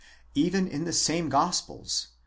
Even in the same Gospels (Matt.